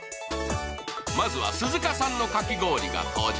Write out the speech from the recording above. まずは鈴鹿さんのかき氷が登場。